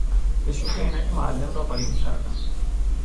به شوخی عینک معلم را قایم کردیم.